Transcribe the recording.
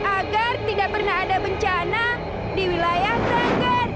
agar tidak pernah ada bencana di wilayah sangat